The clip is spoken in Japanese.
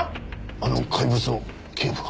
あの怪物を警部が？